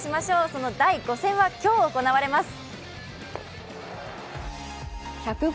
その第５戦は今日行われます。